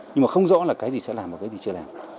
nhưng mà không rõ là cái gì sẽ làm một cái gì chưa làm